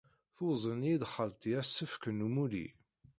Tuzen-iyi-d xalti asefk n umulli.